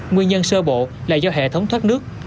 nguyên nhân sơ bộ là do hệ thống thoát nước